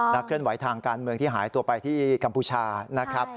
เคลื่อนไหวทางการเมืองที่หายตัวไปที่กัมพูชานะครับ